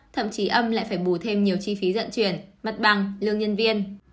thậm chí âm lại phải bù thêm nhiều chi phí vận chuyển mặt bằng lương nhân viên